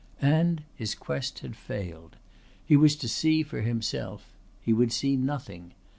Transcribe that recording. And his quest had failed. He was to see for himself. He would see nothing.